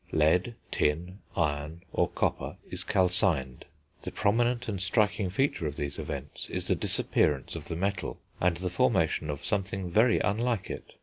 Lead, tin, iron, or copper is calcined. The prominent and striking feature of these events is the disappearance of the metal, and the formation of something very unlike it.